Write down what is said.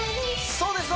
そうです